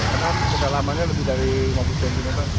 karena kedalamannya lebih dari lima puluh cm